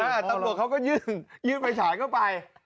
ตำรวจเขาก็ยื่นยื่นไฟฉายเข้าไป